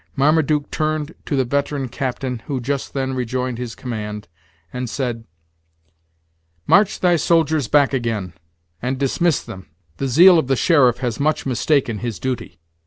Marmaduke turned to the veteran captain, who just then rejoined his command, and said: "March thy soldiers back again, and dismiss them, the zeal of the sheriff has much mistaken his duty.